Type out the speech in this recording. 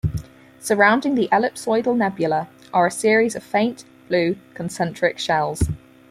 Surrounding the ellipsoidal nebula are a series of faint, blue concentric shells.